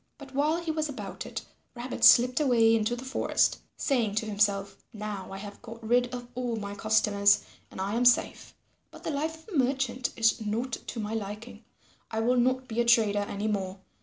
But while he was about it, Rabbit slipped away into the forest, saying to himself, "Now I have got rid of all my customers and I am safe. But the life of a merchant is not to my liking. I will not be a trader any more.